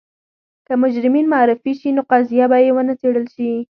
که مجرمین معرفي شي نو قضیه به یې ونه څېړل شي.